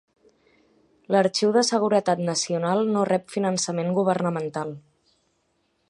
L'Arxiu de Seguretat Nacional no rep finançament governamental.